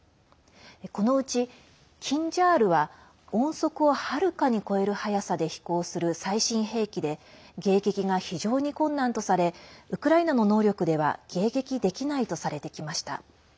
このうち「キンジャール」は音速をはるかに超える速さで飛行する最新兵器で迎撃が非常に困難とされウクライナの能力では迎撃できないとされてきました。